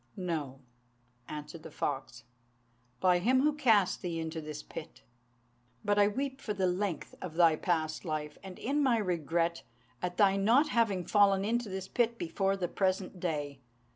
"No," answered the fox, "by him who cast thee into this pit; but I weep for the length of thy past life, and in my regret at thy not having fallen into this pit before the present day.